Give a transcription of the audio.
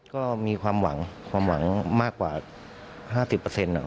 ก็มีความหวังความหวังมากกว่าห้าสิบเปอร์เซ็นต์